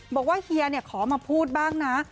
บอกว่าเฮียขอมาพูดบ้างนะ